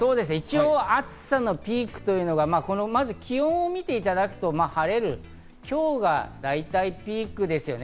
暑さのピークというのが気温を見ていただくと晴れる今日が大体ピークですね。